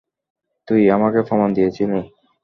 তুই আমাকে প্রমাণ দিয়েছিলি।